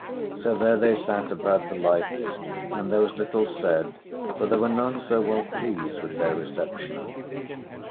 So there they sat about the lights, and there was little said, for they were none so well pleased with their reception.